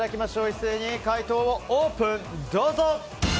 一斉に解答をオープン！